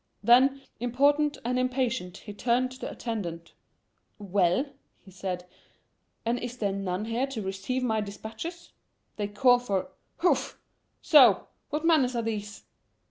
Then, important and impatient, he turned to the attendant. "Well," he said, "and is there none here to receive my dispatches? They call for houf! so! what manners are these?"